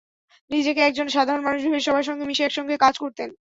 নিজেকে একজন সাধারণ মানুষ ভেবে সবার সঙ্গে মিশে একসঙ্গে কাজ করতেন।